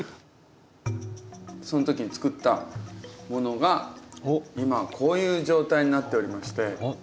その時つくったものが今こういう状態になっておりまして。